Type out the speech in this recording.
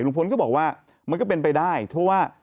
พลก็บอกว่ามันก็เป็นไปได้เพราะว่า